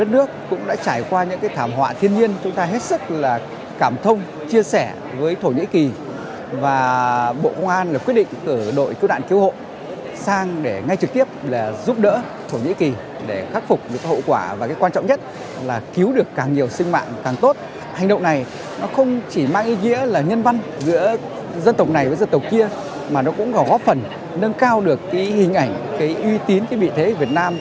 nó không chỉ mang ý nghĩa là nhân văn giữa dân tộc này với dân tộc kia mà nó cũng góp phần nâng cao được hình ảnh uy tín vị thế việt nam